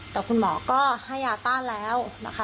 แต่คุณหมอก็ให้ยาต้านแล้วนะคะ